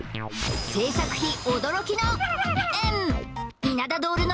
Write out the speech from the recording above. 制作費驚きの○○円